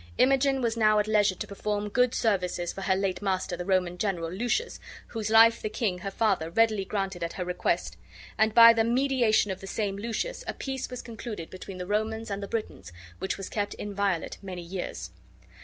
Imogen was now at leisure to perform good services for her late master, the Roman general, Lucius, whose life the king, her father, readily granted at her request; and by the mediation of the same Lucius a peace was concluded between the Romans and the Britons which was kept inviolate many years.